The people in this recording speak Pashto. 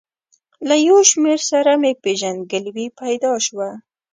له یو شمېر سره مې پېژندګلوي پیدا شوه.